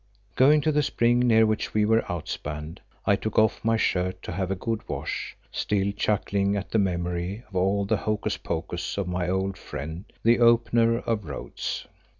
Going to the spring near which we were outspanned, I took off my shirt to have a good wash, still chuckling at the memory of all the hocus pocus of my old friend, the Opener of Roads.